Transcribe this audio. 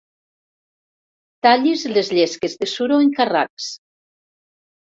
Tallis les llesques de suro en carracs.